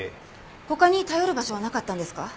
他に頼る場所はなかったんですか？